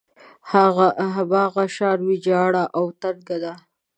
هماغه شان ويجاړه او تنګه ده.